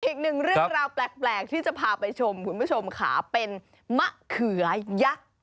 อีกหนึ่งเรื่องราวแปลกที่จะพาไปชมคุณผู้ชมค่ะเป็นมะเขือยักษ์